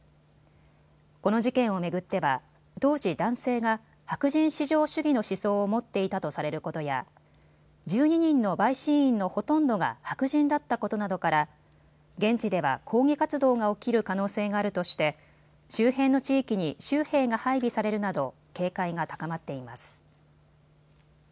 この事件を巡っては当時、男性が白人至上主義の思想を持っていたとされることや１２人の陪審員のほとんどが白人だったことなどから現地では抗議活動が起きる可能性があるとして周辺の地域に州兵が配備されるなど警戒が高まっています。